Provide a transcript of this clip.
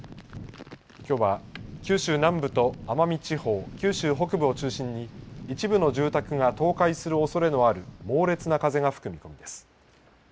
きょうは、九州南部と奄美地方、九州北部を中心に一部の住宅が倒壊するおそれのある猛烈な風が吹く見込みです。